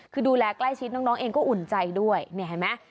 คือดูแลใกล้ชิดน้องเองก็อุ่นใจด้วยเนี่ยเห็นไหม